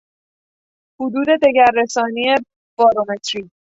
حدود دگرسانی بارومتری